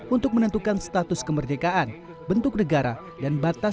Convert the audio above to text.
untuk menentukan status kemerdekaan bentuk negara dan batasan wilayah